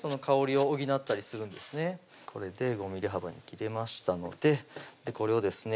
これで５ｍｍ幅に切れましたのでこれをですね